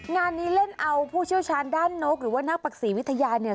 งานนี้เล่นเอาผู้เชี่ยวชาญด้านนกหรือว่านักปรักษีวิทยาเนี่ย